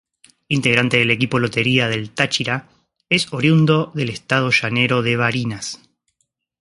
Integrante del equipo Lotería del Táchira, es oriundo del estado llanero de Barinas.